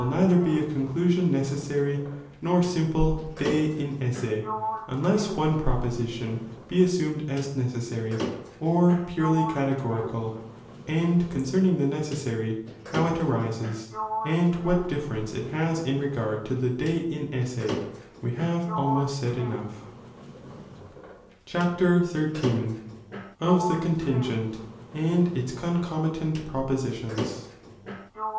"""""'n"' neither be & conclusion necessary nor simple de inesse, unless one proposititin be assumed as necessary, or purely categorical, and concerning the necessary, how it arises, and vrhat difier ence it haa in regard U>_ the de inesse, we have almost said CDOgghi Ckip. XnL — Of the Contingent, and it» concomitant Propuiittoni.